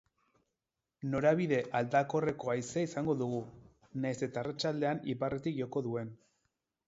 Norabide aldakorreko haizea izango dugu, nahiz eta arratsaldean iparretik joko duen.